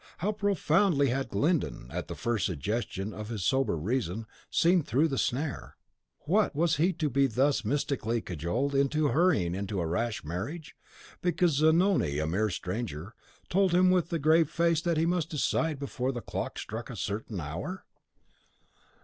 How profoundly had Glyndon, at the first suggestion of his sober reason, seen through the snare. What! was he to be thus mystically cajoled and hurried into a rash marriage, because Zanoni, a mere stranger, told him with a grave face that he must decide before the clock struck a certain hour?